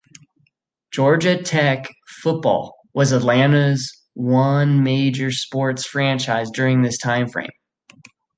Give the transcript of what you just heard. Georgia Tech football was Atlanta's one major sports franchise during this time frame.